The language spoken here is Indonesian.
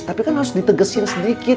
tapi kan harus ditegesin sedikit